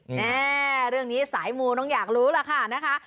แม่เรื่องนี้สายมูต้องอยากรู้ล่ะค่ะนะคะ